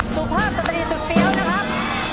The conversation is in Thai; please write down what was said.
สุภาพสตรีสุดเฟี้ยวนะครับ